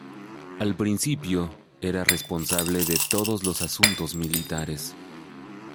Al principio, era responsable de todos los asuntos militares.